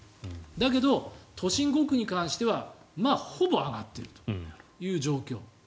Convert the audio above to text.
だけど都心５区に関してはまあほぼ上がっているという状況。